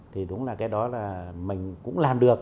thì đúng là cái đó là mình cũng làm được